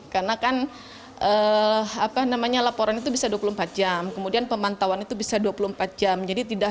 karena kan apa namanya laporan itu bisa dua puluh empat jam kemudian pemandauan itu bisa dua puluh empat jam jadi tidak